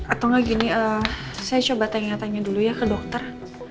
atau enggak gini saya coba tanya tanya dulu ya ke dokter